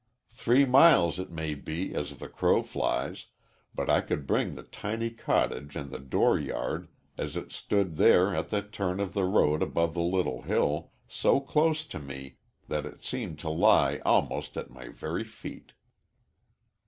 Three miles it may be as the crow flies, but I could bring the tiny cottage and the door yard, as it stood there at the turn of the road above the little hill, so close to me that it seemed to lie almost at my very feet."